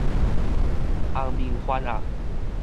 紅面番鴨